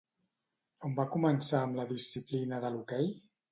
On va començar amb la disciplina de l'hoquei?